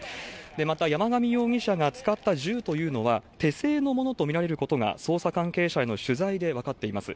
また山上容疑者が使った銃というのは、手製のものと見られることが、捜査関係者への取材で分かっています。